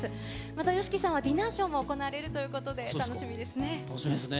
またＹＯＳＨＩＫＩさんは、ディナーショーも行われるということで、楽しみですね。